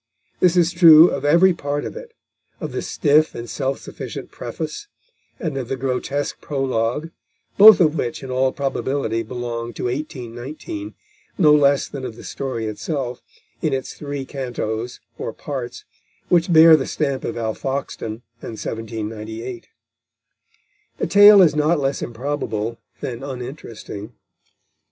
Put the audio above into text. This is true of every part of it, of the stiff and self sufficient preface, and of the grotesque prologue, both of which in all probability belong to 1819, no less than of the story itself, in its three cantos or parts, which bear the stamp of Alfoxden and 1798. The tale is not less improbable than uninteresting.